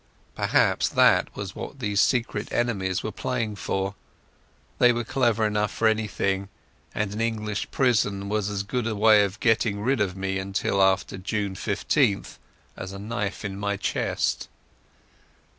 Perhaps that was what those secret enemies were playing for. They were clever enough for anything, and an English prison was as good a way of getting rid of me till after June 15th as a knife in my chest.